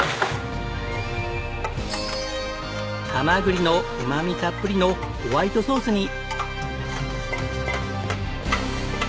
ハマグリのうまみたっぷりのホワイトソースに！